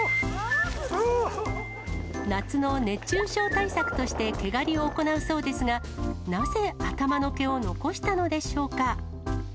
夏の熱中症対策として、毛刈りを行うそうですが、なぜ、頭の毛を残したのでしょうか。